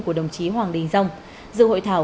của đồng chí hoàng đình dông dự hội thảo